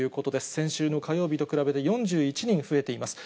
先週の火曜日と比べて４１人増えています。